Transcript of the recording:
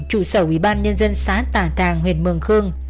trụ sở ubnd xã tà thàng huyện mường khương